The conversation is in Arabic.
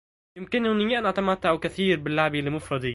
يمكنني أن أتمتّع كثير باللعب لمفردي.